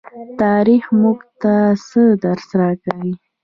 تاریخ موږ ته څه درس راکوي؟